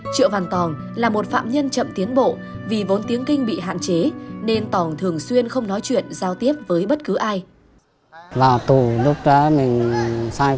đó là câu hỏi của nhiều người muốn biết câu trả lời